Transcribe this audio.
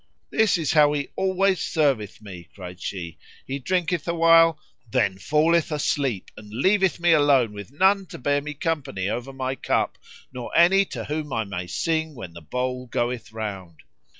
"This is how he always serveth me," cried she, "he drinketh awhile, then falleth asleep and leaveth me alone with none to bear me company over my cup nor any to whom I may sing when the bowl goeth round."